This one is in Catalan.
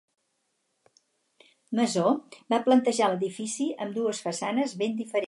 Masó va plantejar l'edifici amb dues façanes ben diferents.